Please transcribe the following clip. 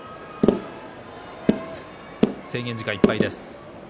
制限時間いっぱいです。